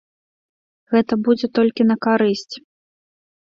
Гэта будзе толькі на карысць.